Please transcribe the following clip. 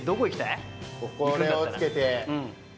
これを付けて。